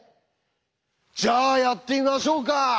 じゃあやってみましょうか！